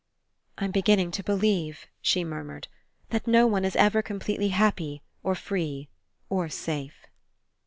I'^Tm beginning to believe," she mur mured, "that no one is ever completely happy, or free, or safe."